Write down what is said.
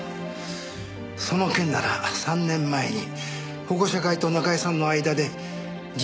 その件なら３年前に保護者会と中居さんの間で示談になりましたが。